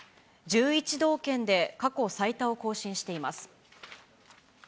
道県で過去最多を更新しています。